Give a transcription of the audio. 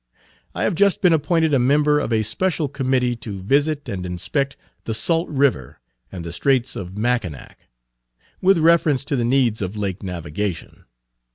I have just been appointed a member of a special committee to visit and inspect the Sault River and the Straits of Mackinac, with reference to the needs of lake navigation.